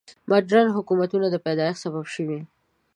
مډرنو حکومتونو د پیدایښت سبب شوي.